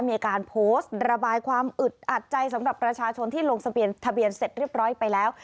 มีการโพสต์ระบายความอึดอัดใจสำหรับประชาชนที่ลงทะเบียนทะเบียนเสร็จเรียบร้อยไปแล้ว